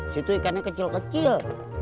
situ ikannya kecil kecil